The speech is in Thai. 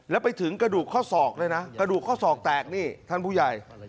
แล้วไปถึงกระดูกข้อศอกด้วยนะกระดูกข้อศอกแตกนี่ท่านผู้ใหญ่